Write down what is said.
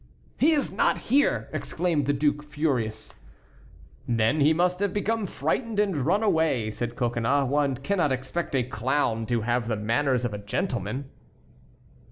"He is not here," exclaimed the duke, furious. "Then he must have become frightened and run away," said Coconnas; "one cannot expect a clown to have the manners of a gentleman."